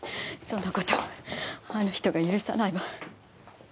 そんな事あの人が許さないわ。